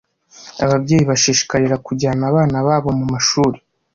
ababyeyi bashishikarira kujyana abana babo mu mashuri